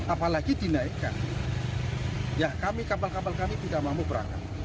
apalagi dinaikkan ya kami kapal kapal kami tidak mau berangkat